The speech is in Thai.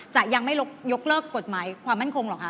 จะยังไม่ยกเลิกกฎหมายความมั่นคงหรอกค่ะ